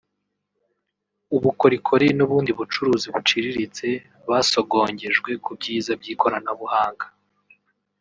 ubukorikori n’ubundi bucuruzi buciriritse basogongejwe ku byiza by’ikoranabuhanga